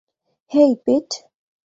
হেই, পিট।